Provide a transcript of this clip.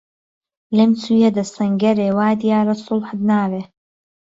لێم چوویه ده سهنگهرێ وا دیاره سوڵحت ناوێ